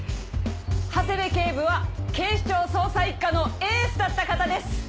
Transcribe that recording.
長谷部警部は警視庁捜査一課のエースだった方です。